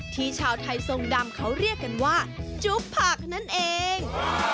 ชาวไทยทรงดำเขาเรียกกันว่าจุ๊บผักนั่นเอง